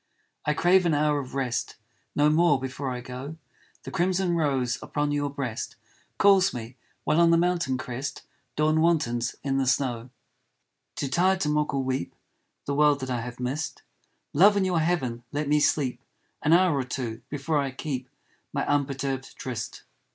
I crave an hour of rest No more before I go, The crimson rose upon your breast Calls me, while on the mountain crest Dawn wantons in the snow. Too tired to mock or weep The world that I have missed, Love, in your heaven let me sleep An hour or two, before I keep My unperturbed tryst.